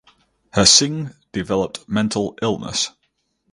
Hsing developed mental illness.